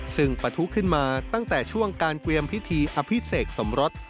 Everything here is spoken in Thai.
ซึ่งปะทุขึ้นมาตั้งแต่ช่วงการเตรียมพิธีอภิเษกสมรส